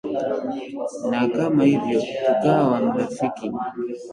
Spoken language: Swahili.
Na kama hivyo tukawa marafiki